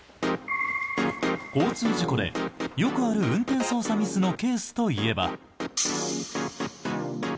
交通事故でよくある運転操作ミスのケースといえば。